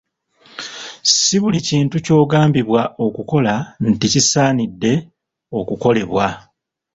Si buli kintu ky'ogambibwa okukola nti kisaanidde okukolebwa.